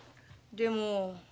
でも。